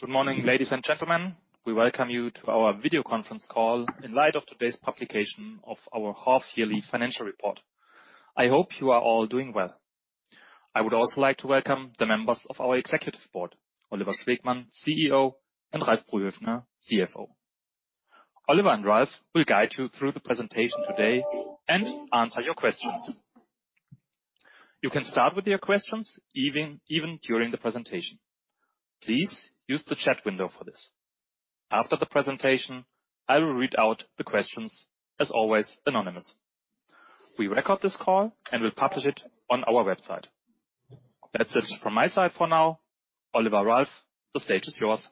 Good morning, ladies and gentlemen. We welcome you to our video conference call in light of today's publication of our half-yearly financial report. I hope you are all doing well. I would also like to welcome the members of our executive board, Oliver Schwegmann, CEO, and Ralf Brühöfner, CFO. Oliver and Ralf will guide you through the presentation today and answer your questions. You can start with your questions even during the presentation. Please use the chat window for this. After the presentation, I will read out the questions, as always, anonymous. We record this call and will publish it on our website. That's it from my side for now. Oliver, Ralf, the stage is yours.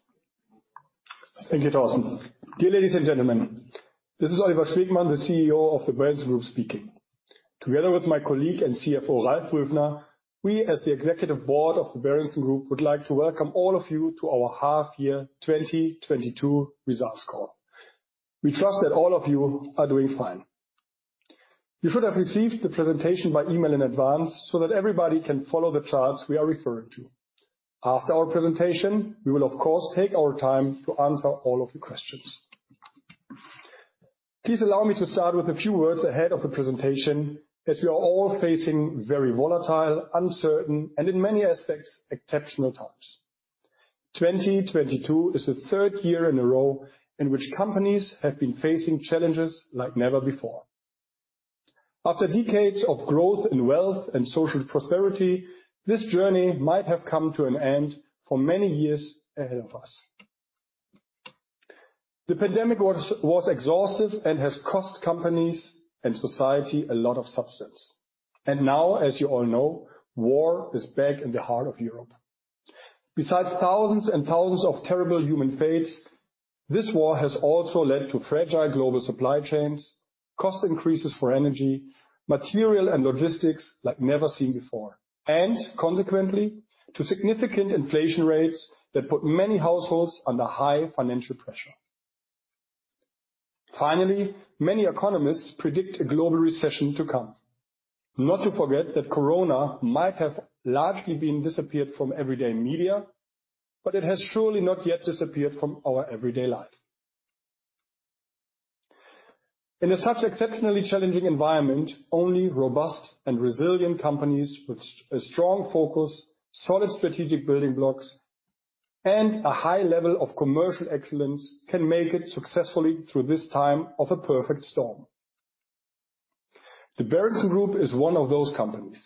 Thank you, Thorsten. Dear ladies and gentlemen, this is Oliver Schwegmann, the CEO of the Berentzen-Gruppe speaking. Together with my colleague and CFO, Ralf Brühöfner, we as the executive board of the Berentzen-Gruppe would like to welcome all of you to our half-year 2022 results call. We trust that all of you are doing fine. You should have received the presentation by email in advance so that everybody can follow the charts we are referring to. After our presentation, we will of course take our time to answer all of your questions. Please allow me to start with a few words ahead of the presentation, as we are all facing very volatile, uncertain, and in many aspects, exceptional times. 2022 is the third year in a row in which companies have been facing challenges like never before. After decades of growth and wealth and social prosperity, this journey might have come to an end for many years ahead of us. The pandemic was exhaustive and has cost companies and society a lot of substance. Now, as you all know, war is back in the heart of Europe. Besides thousands and thousands of terrible human fates, this war has also led to fragile global supply chains, cost increases for energy, material and logistics like never seen before, and consequently, to significant inflation rates that put many households under high financial pressure. Finally, many economists predict a global recession to come. Not to forget that corona might have largely been disappeared from everyday media, but it has surely not yet disappeared from our everyday life. In such exceptionally challenging environment, only robust and resilient companies with a strong focus, solid strategic building blocks, and a high level of commercial excellence can make it successfully through this time of a perfect storm. The Berentzen-Gruppe is one of those companies.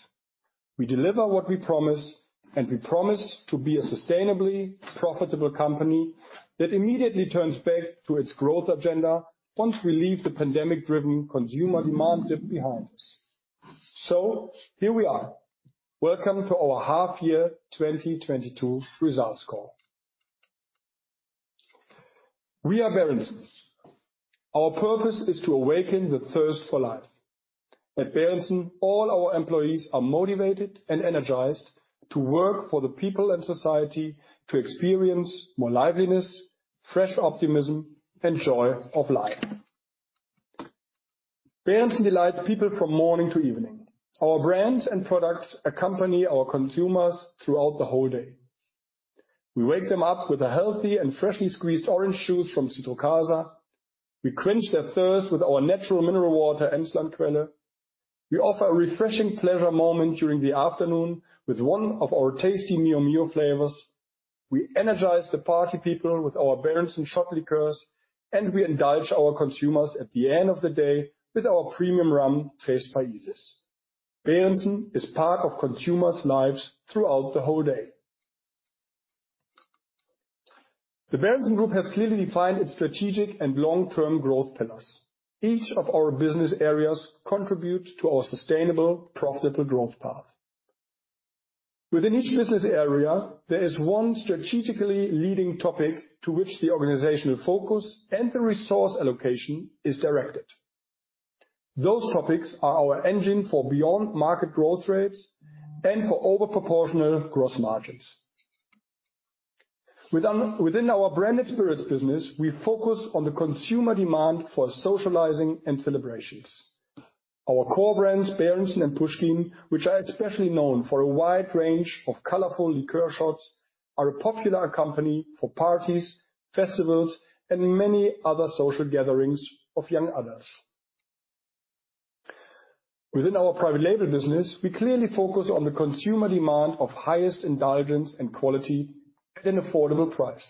We deliver what we promise, and we promise to be a sustainably profitable company that immediately turns back to its growth agenda once we leave the pandemic-driven consumer demand dip behind us. Here we are. Welcome to our half year 2022 results call. We are Berentzen. Our purpose is to awaken the thirst for life. At Berentzen, all our employees are motivated and energized to work for the people and society to experience more liveliness, fresh optimism and joy of life. Berentzen delights people from morning to evening. Our brands and products accompany our consumers throughout the whole day. We wake them up with a healthy and freshly squeezed orange juice from Citrocasa. We quench their thirst with our natural mineral water, Emsland Quelle. We offer a refreshing pleasure moment during the afternoon with one of our tasty Mio Mio flavors. We energize the party people with our Berentzen shot liqueurs, and we indulge our consumers at the end of the day with our premium rum, Tres Países. Berentzen is part of consumers' lives throughout the whole day. The Berentzen-Gruppe has clearly defined its strategic and long-term growth pillars. Each of our business areas contribute to our sustainable, profitable growth path. Within each business area, there is one strategically leading topic to which the organizational focus and the resource allocation is directed. Those topics are our engine for beyond market growth rates and for over proportional gross margins. Within our branded spirits business, we focus on the consumer demand for socializing and celebrations. Our core brands, Berentzen and Puschkin, which are especially known for a wide range of colorful liqueur shots, are a popular accompaniment for parties, festivals, and many other social gatherings of young adults. Within our private label business, we clearly focus on the consumer demand for highest indulgence and quality at an affordable price.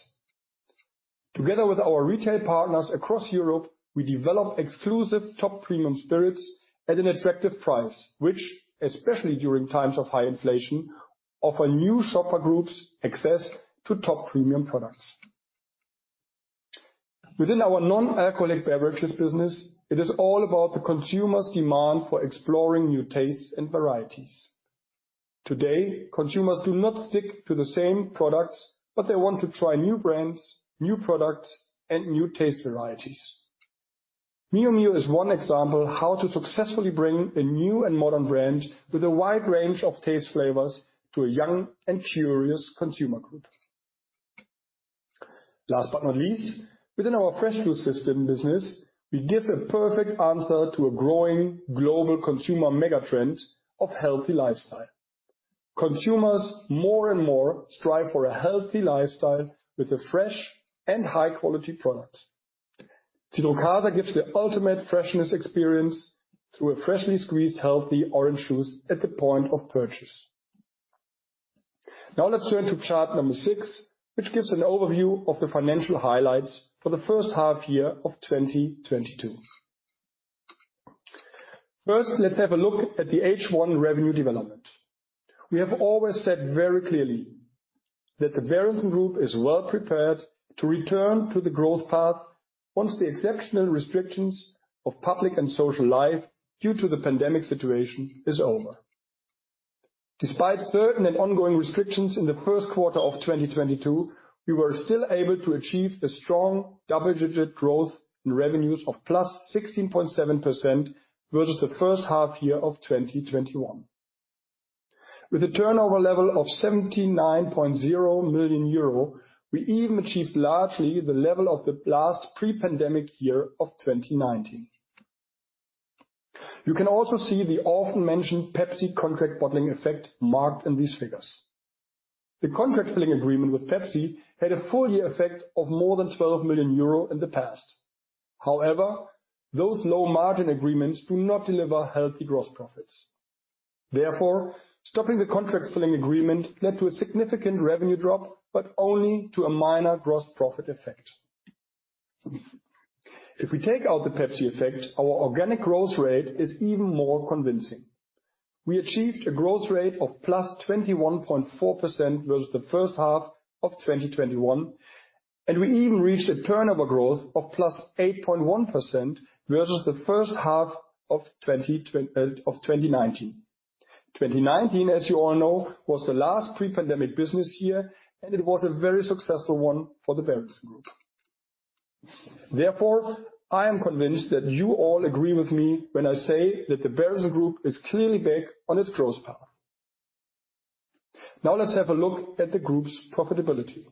Together with our retail partners across Europe, we develop exclusive top premium spirits at an attractive price, which, especially during times of high inflation, offer new shopper groups access to top premium products. Within our non-alcoholic beverages business, it is all about the consumer's demand for exploring new tastes and varieties. Today, consumers do not stick to the same products, but they want to try new brands, new products, and new taste varieties. Mio Mio is one example how to successfully bring a new and modern brand with a wide range of taste flavors to a young and curious consumer group. Last but not least, within our fresh juice system business, we give a perfect answer to a growing global consumer mega-trend of healthy lifestyle. Consumers more and more strive for a healthy lifestyle with a fresh and high-quality product. Citrocasa gives the ultimate freshness experience through a freshly squeezed healthy orange juice at the point of purchase. Now let's turn to chart number six, which gives an overview of the financial highlights for the first half year of 2022. First, let's have a look at the H1 revenue development. We have always said very clearly that the Berentzen-Gruppe is well-prepared to return to the growth path once the exceptional restrictions of public and social life due to the pandemic situation is over. Despite certain and ongoing restrictions in the first quarter of 2022, we were still able to achieve a strong double-digit growth in revenues of +16.7% versus the first half year of 2021. With a turnover level of 79.0 million euro, we even achieved largely the level of the last pre-pandemic year of 2019. You can also see the often mentioned Pepsi contract bottling effect marked in these figures. The contract bottling agreement with Pepsi had a full year effect of more than 12 million euro in the past. However, those low-margin agreements do not deliver healthy gross profits. Therefore, stopping the contract filling agreement led to a significant revenue drop, but only to a minor gross profit effect. If we take out the Pepsi effect, our organic growth rate is even more convincing. We achieved a growth rate of +21.4% versus the first half of 2021, and we even reached a turnover growth of +8.1% versus the first half of 2019. 2019, as you all know, was the last pre-pandemic business year, and it was a very successful one for the Berentzen-Gruppe. Therefore, I am convinced that you all agree with me when I say that the Berentzen-Gruppe is clearly back on its growth path. Now let's have a look at the group's profitability.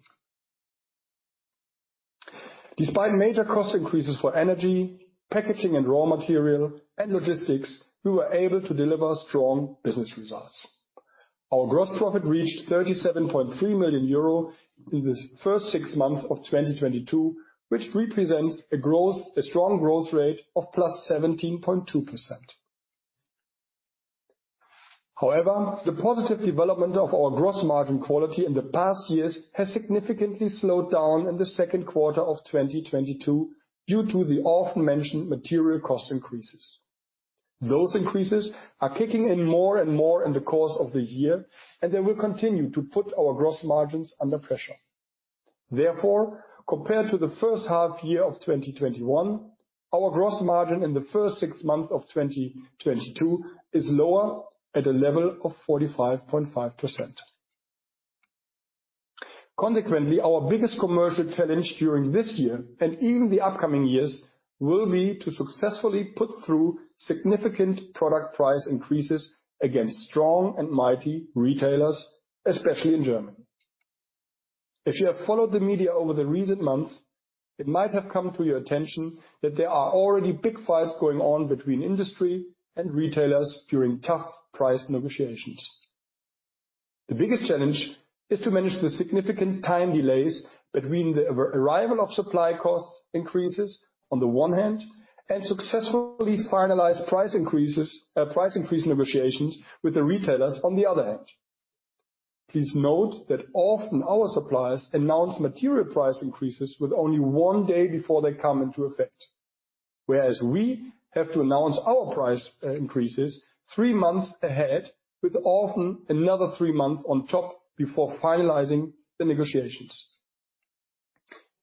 Despite major cost increases for energy, packaging and raw material, and logistics, we were able to deliver strong business results. Our gross profit reached 37.3 million euro in the first six months of 2022, which represents a growth, a strong growth rate of +17.2%. However, the positive development of our gross margin quality in the past years has significantly slowed down in the second quarter of 2022 due to the often mentioned material cost increases. Those increases are kicking in more and more in the course of the year, and they will continue to put our gross margins under pressure. Therefore, compared to the first half year of 2021, our gross margin in the first six months of 2022 is lower at a level of 45.5%. Consequently, our biggest commercial challenge during this year and even the upcoming years will be to successfully put through significant product price increases against strong and mighty retailers, especially in Germany. If you have followed the media over the recent months, it might have come to your attention that there are already big fights going on between industry and retailers during tough price negotiations. The biggest challenge is to manage the significant time delays between the arrival of supply cost increases on the one hand and successfully finalize price increases, price increase negotiations with the retailers on the other hand. Please note that often our suppliers announce material price increases with only one day before they come into effect. Whereas we have to announce our price increases three months ahead, with often another three months on top before finalizing the negotiations.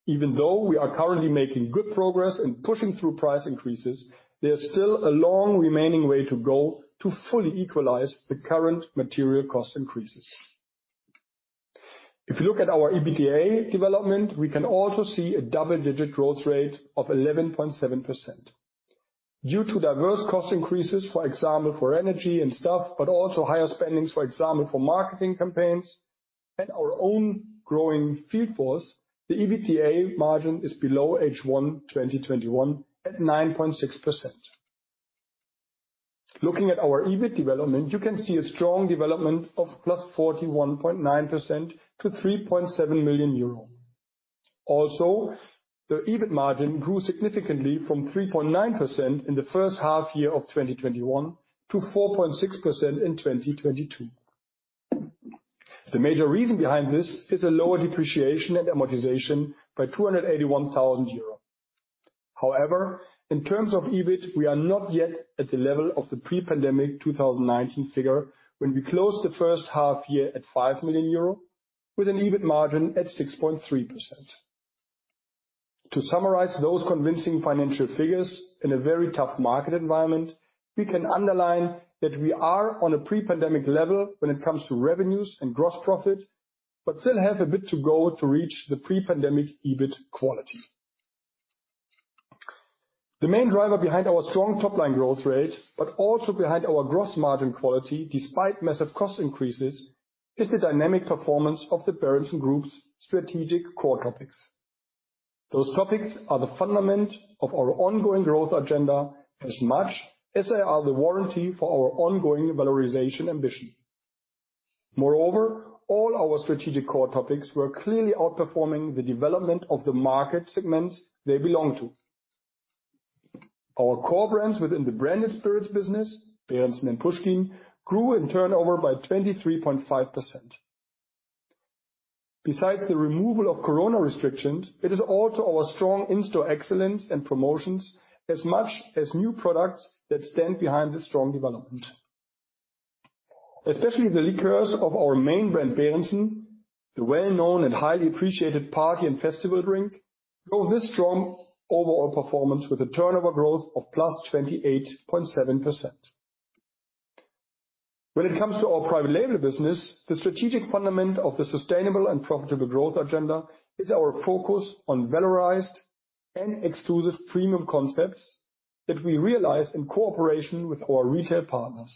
Even though we are currently making good progress in pushing through price increases, there's still a long remaining way to go to fully equalize the current material cost increases. If you look at our EBITDA development, we can also see a double-digit growth rate of 11.7%. Due to diverse cost increases, for example, for energy and stuff, but also higher spending, for example, for marketing campaigns and our own growing field force, the EBITDA margin is below H1 2021 at 9.6%. Looking at our EBIT development, you can see a strong development of +41.9% to 3.7 million euro. Also, the EBIT margin grew significantly from 3.9% in the first half year of 2021 to 4.6% in 2022. The major reason behind this is a lower depreciation and amortization by 281 thousand euros. However, in terms of EBIT, we are not yet at the level of the pre-pandemic 2019 figure when we closed the first half year at 5 million euro with an EBIT margin at 6.3%. To summarize those convincing financial figures in a very tough market environment, we can underline that we are on a pre-pandemic level when it comes to revenues and gross profit but still have a bit to go to reach the pre-pandemic EBIT quality. The main driver behind our strong top line growth rate, but also behind our gross margin quality, despite massive cost increases, is the dynamic performance of the Berentzen-Gruppe's strategic core topics. Those topics are the fundament of our ongoing growth agenda as much as they are the warranty for our ongoing valorization ambition. Moreover, all our strategic core topics were clearly outperforming the development of the market segments they belong to. Our core brands within the branded spirits business, Berentzen and Puschkin, grew in turnover by 23.5%. Besides the removal of COVID restrictions, it is all to our strong in-store excellence and promotions as much as new products that stand behind this strong development. Especially the liquors of our main brand, Berentzen, the well-known and highly appreciated party and festival drink, drove this strong overall performance with a turnover growth of +28.7%. When it comes to our private label business, the strategic fundament of the sustainable and profitable growth agenda is our focus on valorized and exclusive premium concepts that we realize in cooperation with our retail partners.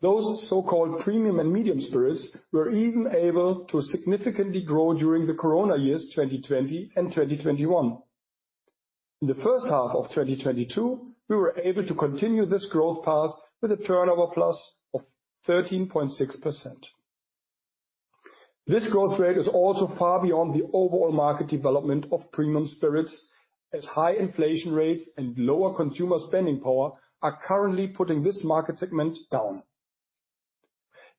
Those so-called premium and medium spirits were even able to significantly grow during the COVID years, 2020 and 2021. In the first half of 2022, we were able to continue this growth path with a turnover plus of 13.6%. This growth rate is also far beyond the overall market development of premium spirits, as high inflation rates and lower consumer spending power are currently putting this market segment down.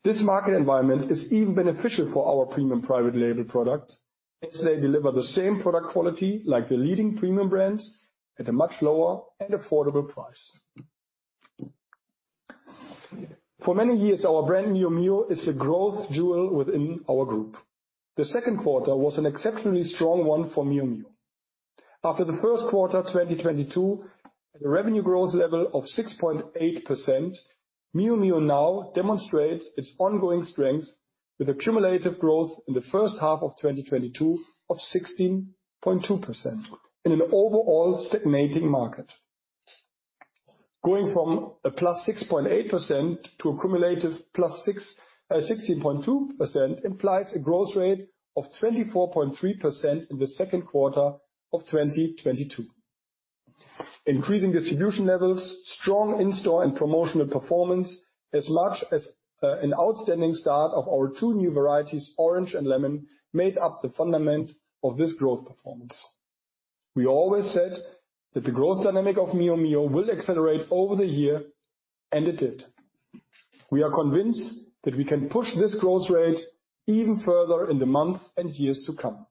This market environment is even beneficial for our premium private label product, as they deliver the same product quality like the leading premium brands at a much lower and affordable price. For many years, our brand Mio Mio is the growth jewel within our group. The second quarter was an exceptionally strong one for Mio Mio. After the first quarter 2022, at a revenue growth level of 6.8%, Mio Mio now demonstrates its ongoing strength with a cumulative growth in the first half of 2022 of 16.2% in an overall stagnating market. Going from a plus 6.8% to accumulated plus sixteen point two percent implies a growth rate of 24.3% in the second quarter of 2022. Increasing distribution levels, strong in-store and promotional performance, as much as, an outstanding start of our two new varieties, orange and lemon, made up the fundament of this growth performance. We always said that the growth dynamic of Mio Mio will accelerate over the year, and it did. We are convinced that we can push this growth rate even further in the months and years to come.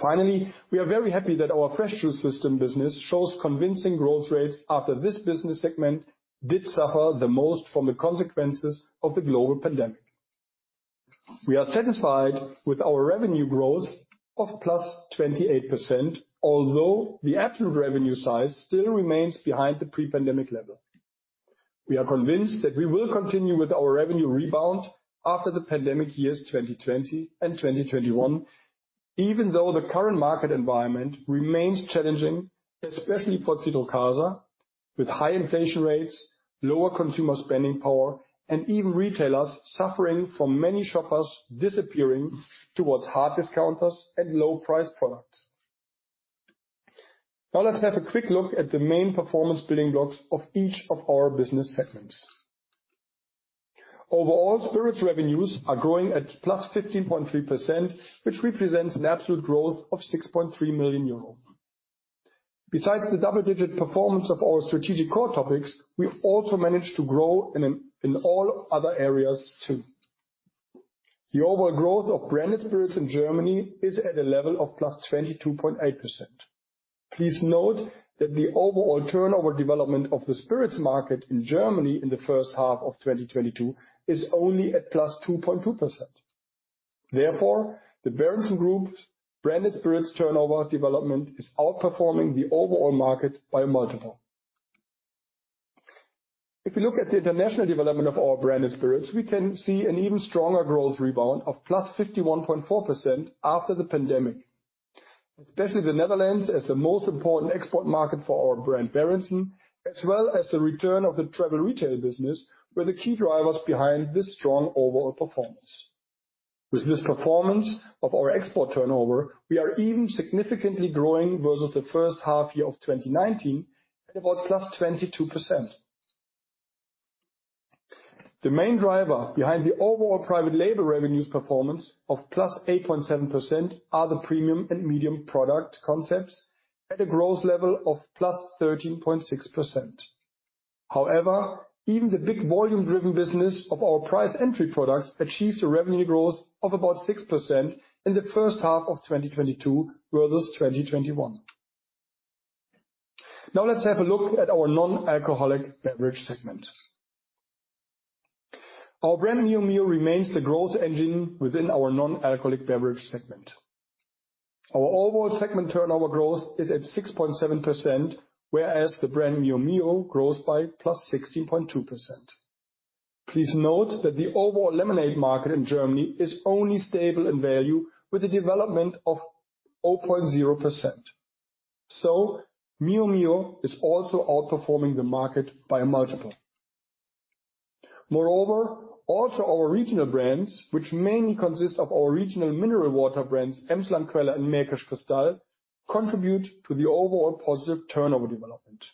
Finally, we are very happy that our fresh juice system business shows convincing growth rates after this business segment did suffer the most from the consequences of the global pandemic. We are satisfied with our revenue growth of +28%, although the absolute revenue size still remains behind the pre-pandemic level. We are convinced that we will continue with our revenue rebound after the pandemic years, 2020 and 2021, even though the current market environment remains challenging, especially for Citrocasa, with high inflation rates, lower consumer spending power, and even retailers suffering from many shoppers disappearing towards hard discounters and low-priced products. Now let's have a quick look at the main performance building blocks of each of our business segments. Overall, spirits revenues are growing at +15.3%, which represents an absolute growth of 6.3 million euro. Besides the double-digit performance of our strategic core topics, we've also managed to grow in all other areas too. The overall growth of branded spirits in Germany is at a level of +22.8%. Please note that the overall turnover development of the spirits market in Germany in the first half of 2022 is only at +2.2%. Therefore, the Berentzen-Gruppe's branded spirits turnover development is outperforming the overall market by a multiple. If you look at the international development of our branded spirits, we can see an even stronger growth rebound of +51.4% after the pandemic. Especially the Netherlands, as the most important export market for our brand, Berentzen, as well as the return of the travel retail business, were the key drivers behind this strong overall performance. With this performance of our export turnover, we are even significantly growing versus the first half year of 2019 at about +22%. The main driver behind the overall private label revenues performance of +8.7% are the premium and medium product concepts at a growth level of +13.6%. However, even the big volume-driven business of our price entry products achieved a revenue growth of about 6% in the first half of 2022 versus 2021. Now let's have a look at our non-alcoholic beverage segment. Our brand, Mio Mio, remains the growth engine within our non-alcoholic beverage segment. Our overall segment turnover growth is at 6.7%, whereas the brand Mio Mio grows by +16.2%. Please note that the overall lemonade market in Germany is only stable in value with a development of 0.0%. So Mio Mio is also outperforming the market by a multiple. Moreover, also our regional brands, which mainly consist of our regional mineral water brands, Emsland Quelle and Märkische Kristall, contribute to the overall positive turnover development.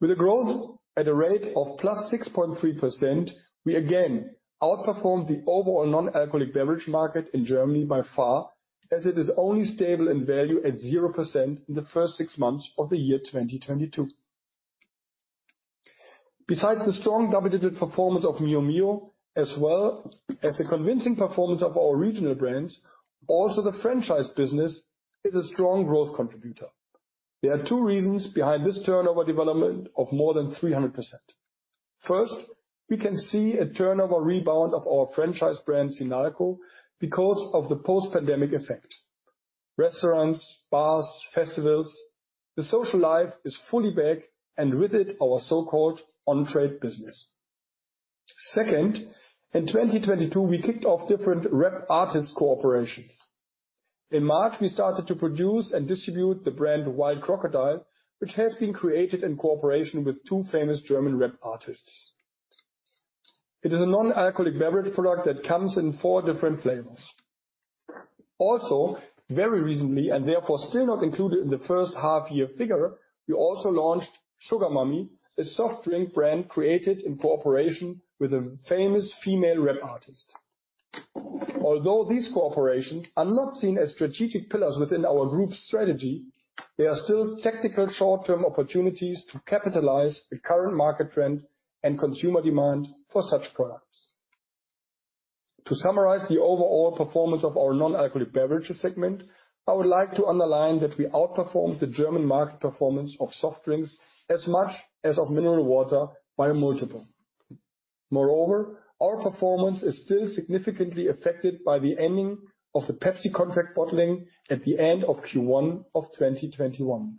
With a growth at a rate of +6.3%, we again outperformed the overall non-alcoholic beverage market in Germany by far, as it is only stable in value at 0% in the first six months of the year 2022. Besides the strong double-digit performance of Mio Mio, as well as a convincing performance of our regional brands, also the franchise business is a strong growth contributor. There are two reasons behind this turnover development of more than 300%. First, we can see a turnover rebound of our franchise brand, Sinalco, because of the post-pandemic effect. Restaurants, bars, festivals, the social life is fully back, and with it, our so-called on-trade business. Second, in 2022, we kicked off different rap artist cooperations. In March, we started to produce and distribute the brand Wild Crocodile, which has been created in cooperation with two famous German rap artists. It is a non-alcoholic beverage product that comes in four different flavors. Also, very recently, and therefore still not included in the first half-year figure, we also launched Sugar Mommy, a soft drink brand created in cooperation with a famous female rap artist. Although these cooperations are not seen as strategic pillars within our group strategy, they are still tactical short-term opportunities to capitalize on the current market trend and consumer demand for such products. To summarize the overall performance of our non-alcoholic beverages segment, I would like to underline that we outperformed the German market performance of soft drinks as much as of mineral water by a multiple. Moreover, our performance is still significantly affected by the ending of the Pepsi contract bottling at the end of Q1 of 2021.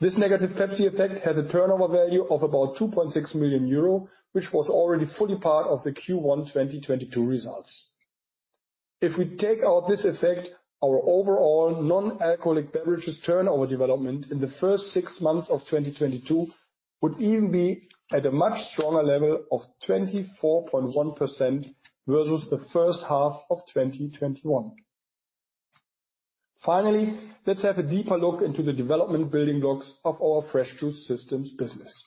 This negative Pepsi effect has a turnover value of about 2.6 million euro, which was already fully part of the Q1 2022 results. If we take out this effect, our overall non-alcoholic beverages turnover development in the first six months of 2022 would even be at a much stronger level of 24.1% versus the first half of 2021. Finally, let's have a deeper look into the development building blocks of our fresh juice systems business.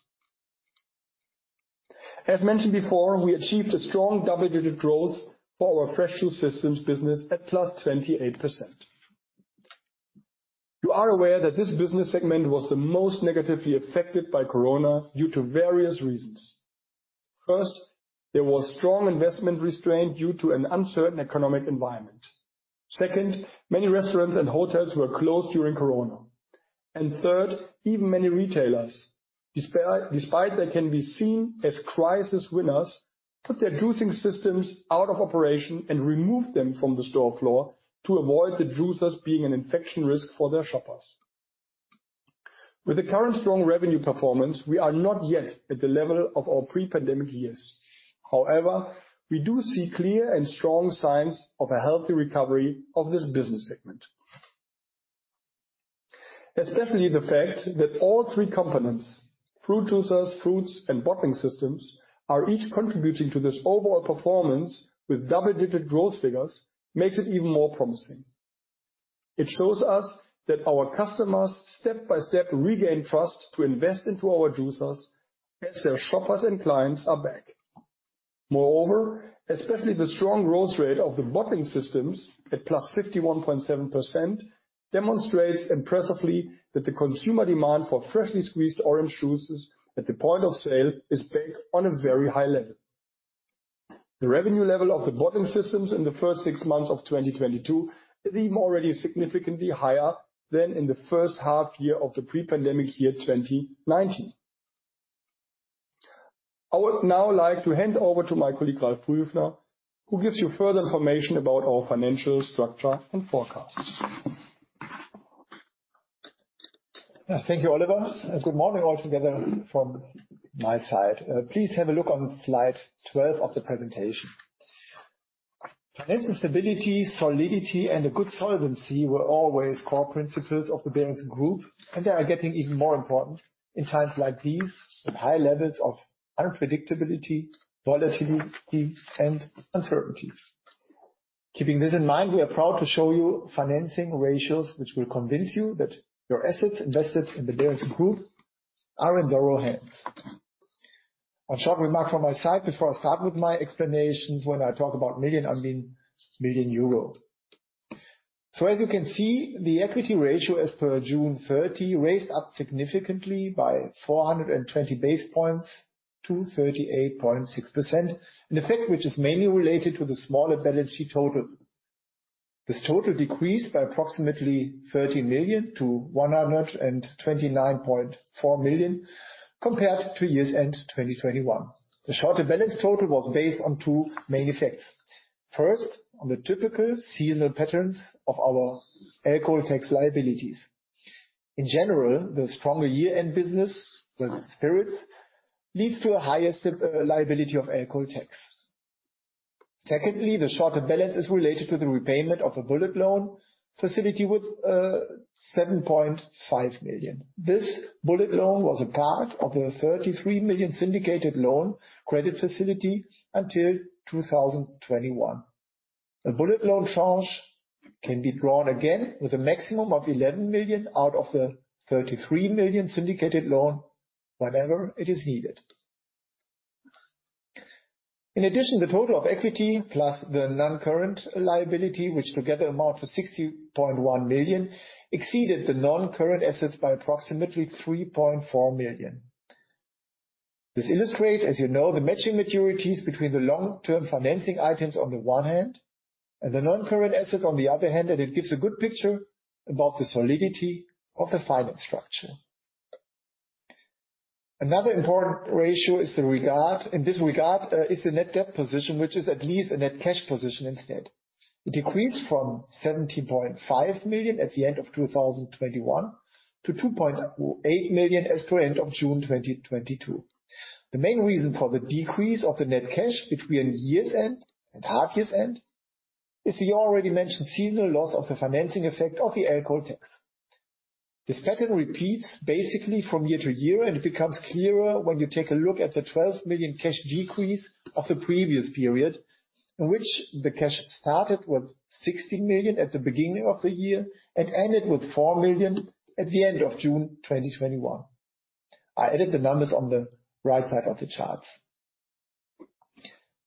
As mentioned before, we achieved a strong double-digit growth for our fresh juice systems business at +28%. You are aware that this business segment was the most negatively affected by Corona due to various reasons. First, there was strong investment restraint due to an uncertain economic environment. Second, many restaurants and hotels were closed during Corona. Third, even many retailers, despite they can be seen as crisis winners, put their juicing systems out of operation and removed them from the store floor to avoid the juicers being an infection risk for their shoppers. With the current strong revenue performance, we are not yet at the level of our pre-pandemic years. However, we do see clear and strong signs of a healthy recovery of this business segment. Especially the fact that all three components, fruit juicers, fruits, and bottling systems, are each contributing to this overall performance with double-digit growth figures, makes it even more promising. It shows us that our customers step by step regain trust to invest into our juicers as their shoppers and clients are back. Moreover, especially the strong growth rate of the bottling systems, at +51.7%, demonstrates impressively that the consumer demand for freshly squeezed orange juices at the point of sale is back on a very high level. The revenue level of the bottling systems in the first six months of 2022 is even already significantly higher than in the first half year of the pre-pandemic year, 2019. I would now like to hand over to my colleague, Ralf Brühöfner, who gives you further information about our financial structure and forecasts. Thank you, Oliver. Good morning all together from my side. Please have a look on slide 12 of the presentation. Financial stability, solidity, and a good solvency were always core principles of the Berentzen-Gruppe, and they are getting even more important in times like these, with high levels of unpredictability, volatility, and uncertainties. Keeping this in mind, we are proud to show you financial ratios which will convince you that your assets invested in the Berentzen-Gruppe are in thorough hands. A short remark from my side before I start with my explanations, when I talk about million, I mean million euro. As you can see, the equity ratio as per June 30 raised up significantly by 420 basis points to 38.6%, an effect which is mainly related to the smaller balance sheet total. This total decreased by approximately 30 million to 129.4 million compared to year-end 2021. The lower balance total was based on two main effects. First, on the typical seasonal patterns of our alcohol tax liabilities. In general, the stronger year-end business with spirits leads to a higher liability of alcohol tax. Secondly, the lower balance is related to the repayment of a bullet loan facility with 7.5 million. This bullet loan was a part of the 33 million syndicated loan credit facility until 2021. The bullet loan tranche can be drawn again with a maximum of 11 million out of the 33 million syndicated loan whenever it is needed. In addition, the total of equity plus the non-current liability, which together amount to 60.1 million, exceeded the non-current assets by approximately 3.4 million. This illustrates, as you know, the matching maturities between the long-term financing items on the one hand, and the non-current assets on the other hand, and it gives a good picture about the solidity of the financial structure. Another important ratio is the gearing. In this regard, is the net debt position, which is actually a net cash position instead. It decreased from 17.5 million at the end of 2021 to 2.8 million as per end of June 2022. The main reason for the decrease of the net cash between year's end and half-year's end is the already mentioned seasonal loss of the financing effect of the alcohol tax. This pattern repeats basically from year to year, and it becomes clearer when you take a look at the 12 million cash decrease of the previous period, in which the cash started with 16 million at the beginning of the year and ended with 4 million at the end of June 2021. I added the numbers on the right side of the charts.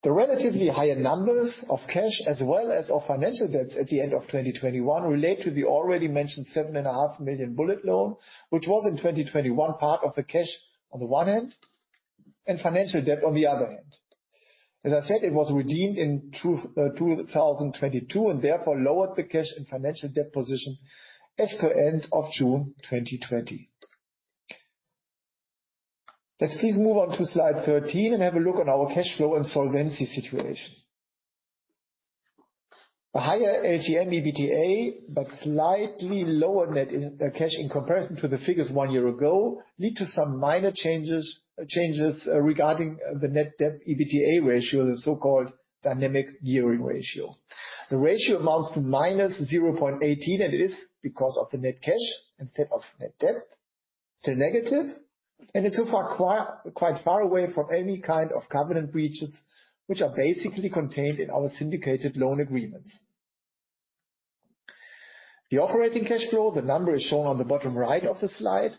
The relatively higher numbers of cash as well as of financial debts at the end of 2021 relate to the already mentioned 7.5 million bullet loan, which was in 2021 part of the cash on the one hand and financial debt on the other hand. As I said, it was redeemed in 2022, and therefore lowered the cash and financial debt position as per end of June 2020. Let's please move on to slide 13 and have a look on our cash flow and solvency situation. The higher LTM EBITDA, but slightly lower net cash in comparison to the figures one year ago, lead to some minor changes regarding the net debt EBITDA ratio, the so-called dynamic gearing ratio. The ratio amounts to -0.18, and it is because of the net cash instead of net debt to negative, and it's so far quite far away from any kind of covenant breaches, which are basically contained in our syndicated loan agreements. The operating cash flow, the number is shown on the bottom right of the slide,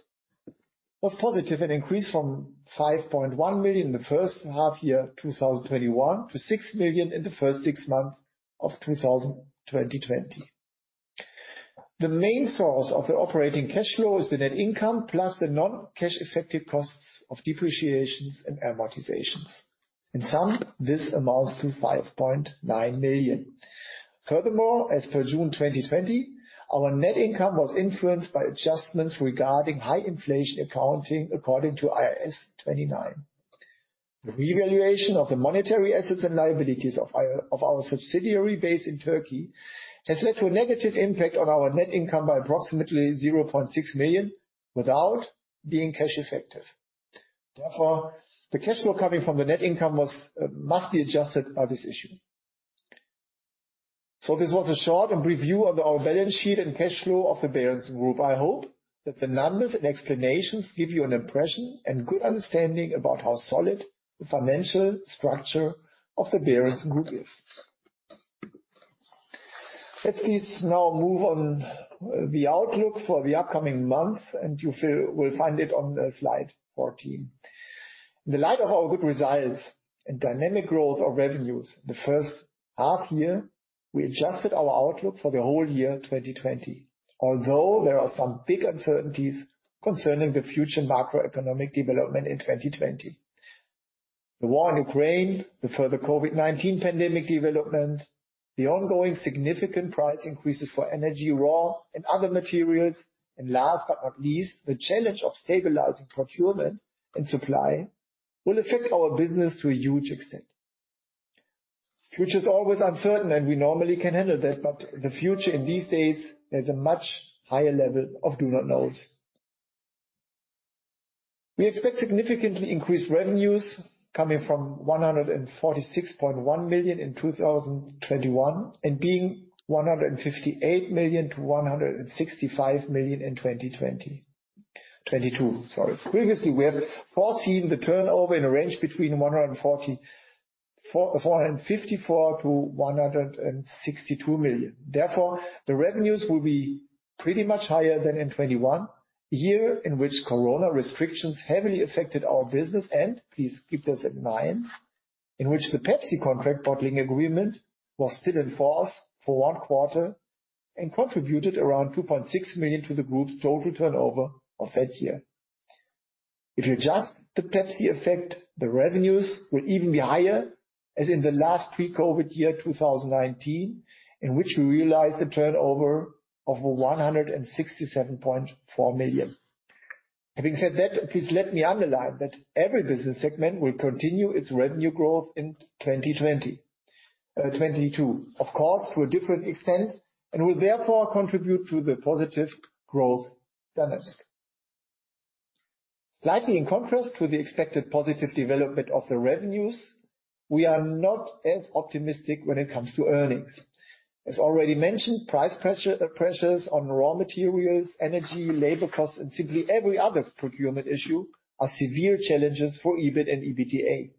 was positive, an increase from 5.1 million the first half year, 2021, to 6 million in the first six months of 2022. The main source of the operating cash flow is the net income plus the non-cash effective costs of depreciations and amortizations. In sum, this amounts to 5.9 million. Furthermore, as per June 2020, our net income was influenced by adjustments regarding high inflation accounting according to IAS 29. The revaluation of the monetary assets and liabilities of our subsidiary based in Turkey has led to a negative impact on our net income by approximately 0.6 million without being cash effective. Therefore, the cash flow coming from the net income was must be adjusted by this issue. This was a short review of our balance sheet and cash flow of the Berentzen-Gruppe. I hope that the numbers and explanations give you an impression and good understanding about how solid the financial structure of the Berentzen-Gruppe is. Let's please now move on, the outlook for the upcoming month, and you will find it on slide 14. In the light of our good results and dynamic growth of revenues the first half year, we adjusted our outlook for the whole year 2020. Although there are some big uncertainties concerning the future macroeconomic development in 2020. The war in Ukraine, the further COVID-19 pandemic development, the ongoing significant price increases for energy, raw, and other materials, and last but not least, the challenge of stabilizing procurement and supply will affect our business to a huge extent. Future's always uncertain, and we normally can handle that, but the future in these days has a much higher level of do not knows. We expect significantly increased revenues coming from 146.1 million in 2021 and being 158-165 million in 2022. Previously, we have foreseen the turnover in a range between 144, 154 million-162 million. Therefore, the revenues will be pretty much higher than in 2021, a year in which corona restrictions heavily affected our business and please keep this in mind, in which the Pepsi contract bottling agreement was still in force for one quarter and contributed around 2.6 million to the group's total turnover of that year. If you adjust the Pepsi effect, the revenues will even be higher, as in the last pre-COVID year, 2019, in which we realized a turnover of 167.4 million. Having said that, please let me underline that every business segment will continue its revenue growth in 2020, 2022. Of course, to a different extent, and will therefore contribute to the positive growth dynamic. Slightly in contrast with the expected positive development of the revenues, we are not as optimistic when it comes to earnings. As already mentioned, price pressure, pressures on raw materials, energy, labor costs, and simply every other procurement issue are severe challenges for EBIT and EBITDA.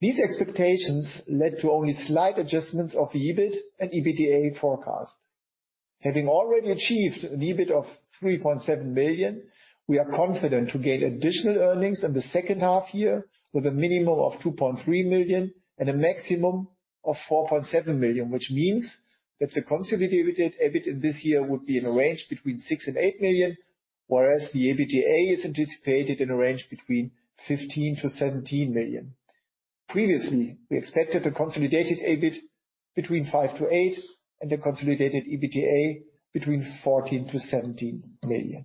These expectations led to only slight adjustments of the EBIT and EBITDA forecast. Having already achieved an EBIT of 3.7 billion, we are confident to gain additional earnings in the second half year with a minimum of 2.3 billion and a maximum of 4.7 billion. Which means that the consolidated EBIT in this year would be in a range between 6 billion and 8 billion, whereas the EBITDA is anticipated in a range between 15 billion to 17 billion. Previously, we expected a consolidated EBIT between 5-8 and a consolidated EBITDA between 14 billion-17 billion.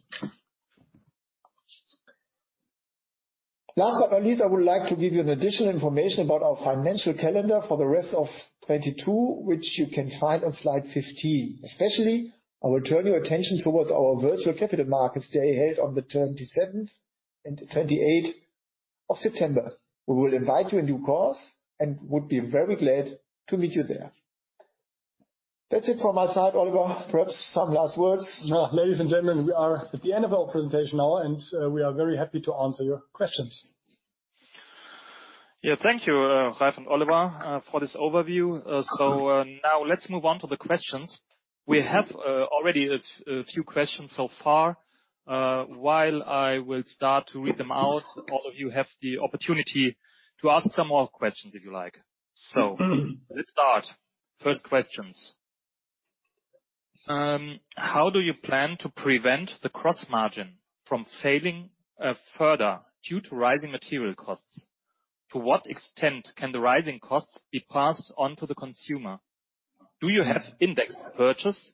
Last but not least, I would like to give you an additional information about our financial calendar for the rest of 2022, which you can find on slide 15. Especially, I will turn your attention towards our virtual Capital Markets Day held on the 27th and 28th of September. We will invite you in due course and would be very glad to meet you there. That's it from my side, Oliver. Perhaps some last words. Now, ladies and gentlemen, we are at the end of our presentation now, and we are very happy to answer your questions. Yeah. Thank you, Ralf and Oliver, for this overview. Now let's move on to the questions. We have already a few questions so far. While I will start to read them out, all of you have the opportunity to ask some more questions if you like. Let's start. First questions. How do you plan to prevent the gross margin from failing further due to rising material costs? To what extent can the rising costs be passed on to the consumer? Do you have index purchase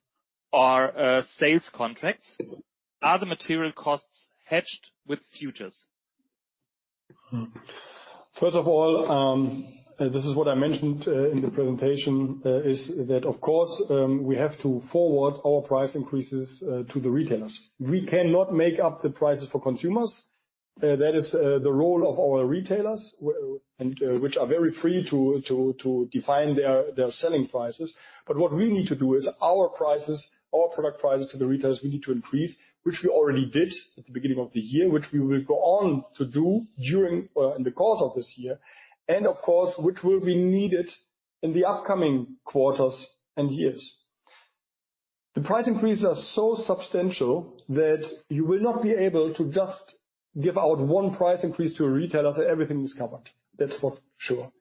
or sales contracts? Are the material costs hedged with futures? First of all, this is what I mentioned in the presentation is that, of course, we have to forward our price increases to the retailers. We cannot make up the prices for consumers. That is the role of our retailers which are very free to define their selling prices. What we need to do is our prices, our product prices to the retailers, we need to increase, which we already did at the beginning of the year, which we will go on to do in the course of this year, and of course, which will be needed in the upcoming quarters and years. The price increases are so substantial that you will not be able to just give out one price increase to a retailer, so everything is covered. That's for sure.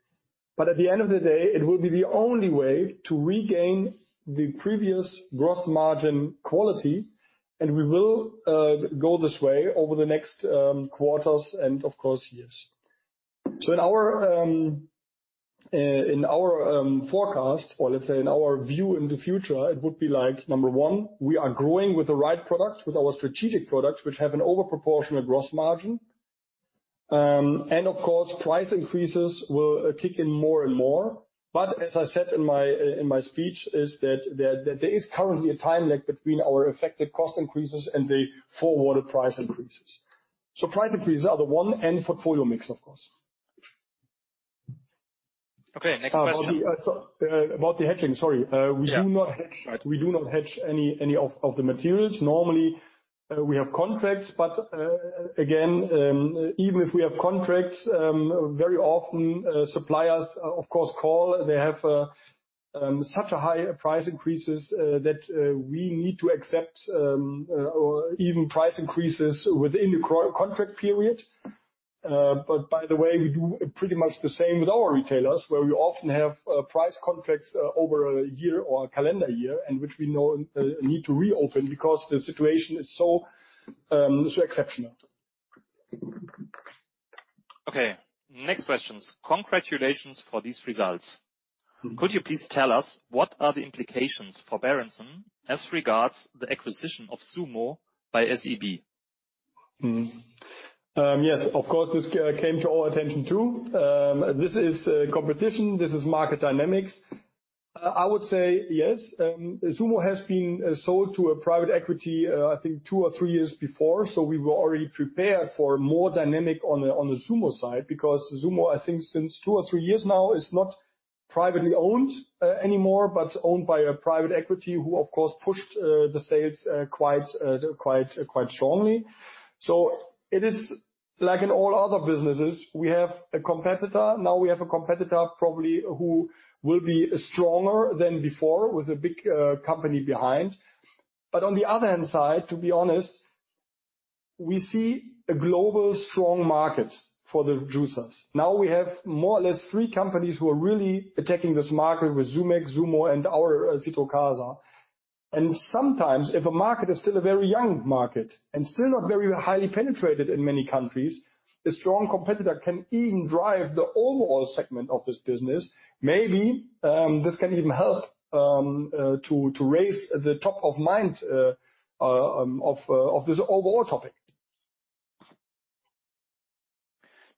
At the end of the day, it will be the only way to regain the previous growth margin quality, and we will go this way over the next quarters and of course, years. In our forecast or let's say in our view in the future, it would be like, number one, we are growing with the right products, with our strategic products, which have an over-proportionate gross margin. And of course, price increases will kick in more and more. As I said in my speech, is that there is currently a time lag between our effective cost increases and the forward price increases. Price increases are the one and portfolio mix, of course. Okay, next question. About the hedging, sorry. Yeah. We do not hedge any of the materials. Normally, we have contracts, but again, even if we have contracts, very often suppliers of course call. They have such a high price increases that we need to accept or even price increases within the contract period. By the way, we do pretty much the same with our retailers, where we often have price contracts over a year or a calendar year, and which we now need to reopen because the situation is so exceptional. Okay, next questions. Congratulations for these results. Mm-hmm. Could you please tell us what are the implications for Berentzen as regards the acquisition of Zummo by SEB? Yes, of course, this came to our attention too. This is competition, this is market dynamics. I would say yes, Zummo has been sold to a private equity, I think two or three years before, so we were already prepared for more dynamic on the Zummo side. Because Zummo, I think since two or three years now, is not privately owned anymore, but owned by a private equity who of course pushed the sales quite strongly. It is like in all other businesses. We have a competitor. Now we have a competitor probably who will be stronger than before with a big company behind. On the other hand side, to be honest, we see a global strong market for the juicers. Now we have more or less three companies who are really attacking this market with Zumex, Zummo, and our Citrocasa. Sometimes, if a market is still a very young market and still not very highly penetrated in many countries, a strong competitor can even drive the overall segment of this business. Maybe this can even help to raise the top of mind of this overall topic.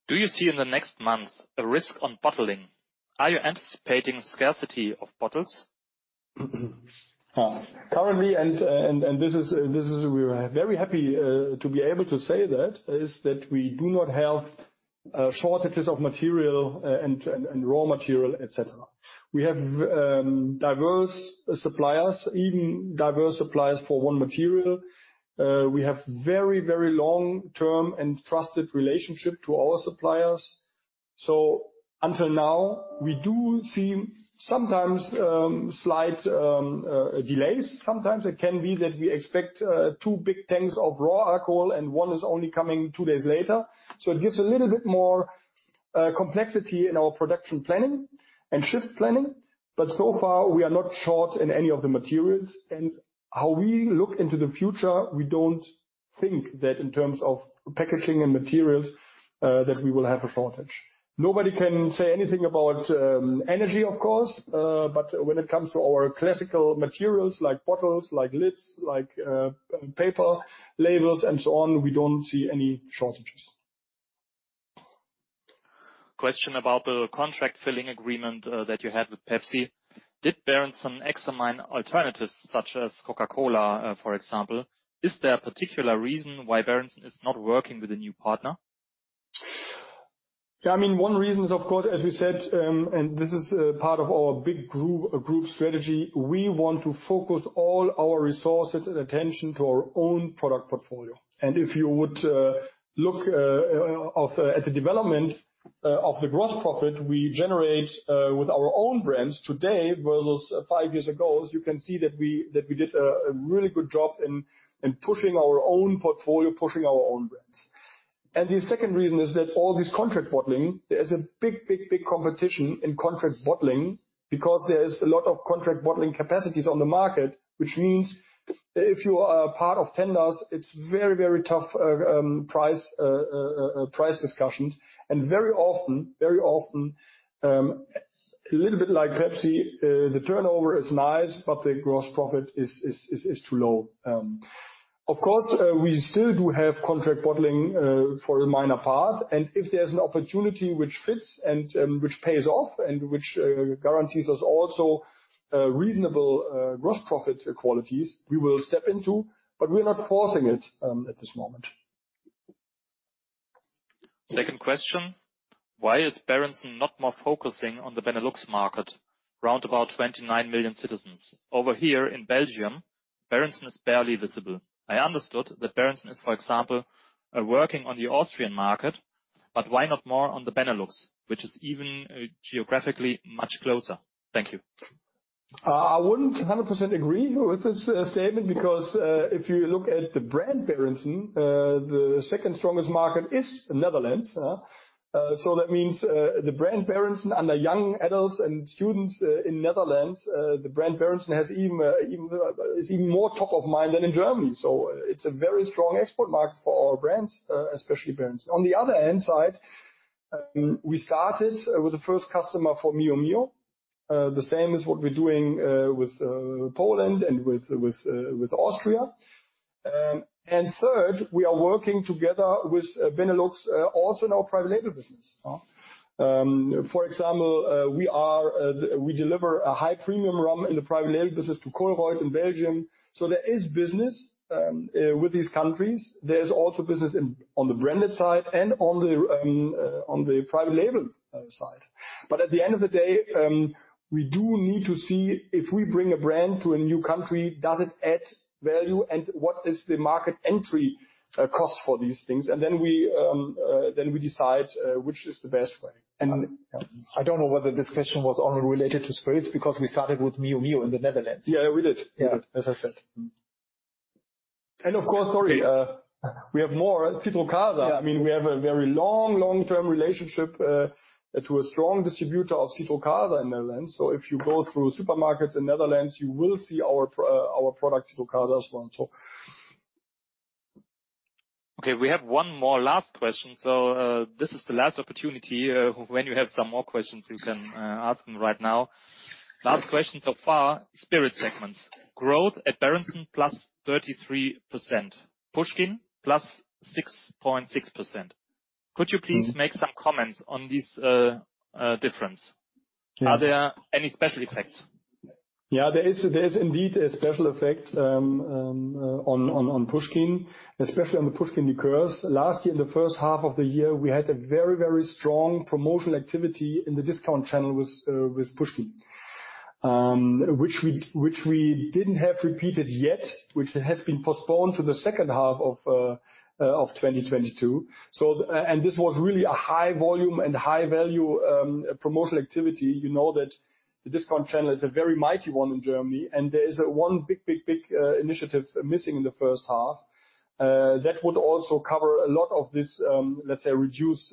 Do you see in the next month a risk on bottling? Are you anticipating scarcity of bottles? Currently, we are very happy to be able to say that we do not have shortages of material and raw material, et cetera. We have diverse suppliers, even diverse suppliers for one material. We have very long-term and trusted relationship to our suppliers. Until now, we do see sometimes slight delays. Sometimes it can be that we expect two big tanks of raw alcohol and one is only coming two days later. It gives a little bit more complexity in our production planning and shift planning. So far, we are not short in any of the materials. How we look into the future, we don't think that in terms of packaging and materials that we will have a shortage. Nobody can say anything about energy, of course. When it comes to our classical materials like bottles, like lids, like paper labels and so on, we don't see any shortages. Question about the contract filling agreement that you had with Pepsi. Did Berentzen examine alternatives such as Coca-Cola, for example? Is there a particular reason why Berentzen is not working with a new partner? Yeah, I mean, one reason is, of course, as we said, and this is part of our big group strategy. We want to focus all our resources and attention to our own product portfolio. If you would look at the development of the gross profit we generate with our own brands today versus five years ago, you can see that we did a really good job in pushing our own portfolio, pushing our own brands. The second reason is that all this contract bottling, there's a big competition in contract bottling because there is a lot of contract bottling capacities on the market, which means if you are a part of tenders, it's very tough price discussions. Very often, a little bit like Pepsi, the turnover is nice, but the gross profit is too low. Of course, we still do have contract bottling for a minor part. If there's an opportunity which fits and which pays off and which guarantees us also reasonable gross profit qualities, we will step into. We're not forcing it at this moment. Second question: Why is Berentzen not more focusing on the Benelux market, round about 29 million citizens? Over here in Belgium, Berentzen is barely visible. I understood that Berentzen is, for example, working on the Austrian market, but why not more on the Benelux, which is even, geographically much closer? Thank you. I wouldn't 100% agree with this statement, because if you look at the brand Berentzen, the second strongest market is the Netherlands. That means the brand Berentzen under young adults and students in the Netherlands, the brand Berentzen is even more top of mind than in Germany. It's a very strong export market for our brands, especially Berentzen. On the other hand side, we started with the first customer for Mio Mio. The same is what we're doing with Poland and with Austria. Third, we are working together with Benelux also in our private label business. For example, we deliver a high premium rum in the private label business to Colruyt in Belgium. There is business with these countries. There's also business in on the branded side and on the private label side. At the end of the day, we do need to see if we bring a brand to a new country, does it add value and what is the market entry cost for these things? Then we decide which is the best way. I don't know whether this question was only related to spirits because we started with Mio Mio in the Netherlands. Yeah, we did. As I said. Of course, we have more Citrocasa. I mean, we have a very long-term relationship to a strong distributor of Citrocasa in Netherlands. If you go through supermarkets in Netherlands, you will see our product, Citrocasa as well. Okay, we have one more last question. This is the last opportunity. When you have some more questions you can ask them right now. Last question so far, spirit segments. Growth at Berentzen-Gruppe +33%, Puschkin +6.6%. Could you please make some comments on this difference? Are there any special effects? Yeah, there is indeed a special effect on Puschkin, especially on the Puschkin liqueurs. Last year, in the first half of the year, we had a very strong promotional activity in the discount channel with Puschkin, which we didn't have repeated yet, which has been postponed to the second half of 2022. This was really a high volume and high value promotional activity. You know that the discount channel is a very mighty one in Germany, and there is one big initiative missing in the first half that would also cover a lot of this, let's say, reduced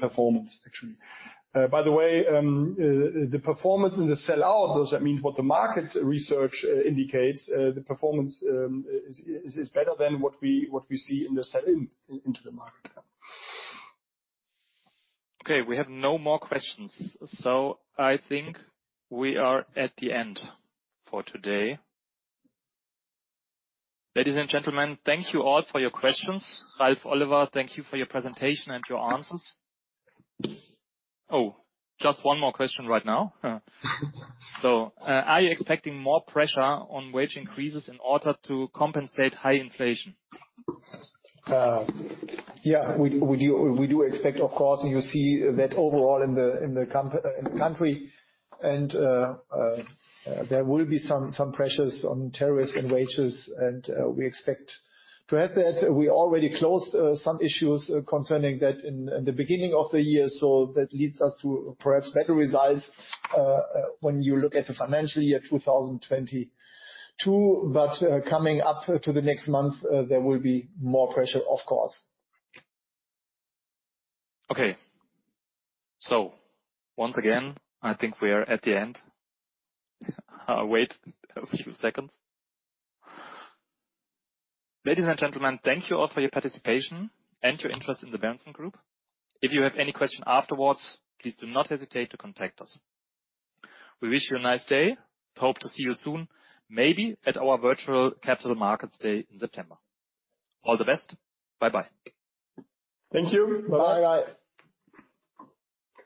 performance, actually. By the way, the performance in the sell-out, does that mean what the market research indicates the performance is better than what we see in the sell-in into the market? Okay, we have no more questions. I think we are at the end for today. Ladies and gentlemen, thank you all for your questions. Ralf, Oliver, thank you for your presentation and your answers. Oh, just one more question right now. Are you expecting more pressure on wage increases in order to compensate high inflation? We do expect, of course, and you see that overall in the country. There will be some pressures on tariffs and wages, and we expect to have that. We already closed some issues concerning that in the beginning of the year. That leads us to perhaps better results when you look at the financial year 2022. Coming up to the next month, there will be more pressure, of course. Okay. Once again, I think we are at the end. I'll wait a few seconds. Ladies and gentlemen, thank you all for your participation and your interest in the Berentzen-Gruppe. If you have any question afterwards, please do not hesitate to contact us. We wish you a nice day. Hope to see you soon, maybe at our virtual Capital Markets Day in September. All the best. Bye-bye. Thank you. Bye-bye. Bye-bye.